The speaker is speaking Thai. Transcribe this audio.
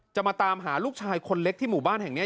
มาตามหาลูกชายคนเล็กที่หมู่บ้านแห่งนี้